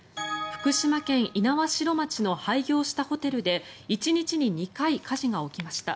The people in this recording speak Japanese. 福島県猪苗代町の廃業したホテルで１日に２回火事が起きました。